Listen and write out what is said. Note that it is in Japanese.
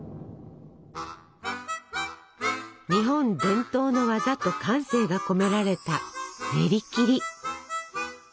日本伝統の技と感性が込められたねりきり。